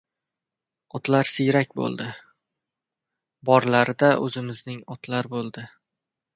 Otlar siyrak bo‘ldi. Borlari-da o‘zimizning otlar bo‘ldi.